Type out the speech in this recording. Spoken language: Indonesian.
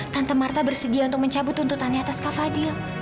tante marta bersedia untuk mencabut tuntutannya atas kak fadil